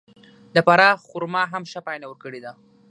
د فراه خرما هم ښه پایله ورکړې ده.